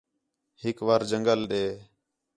ہِک وار جنڳل ݙے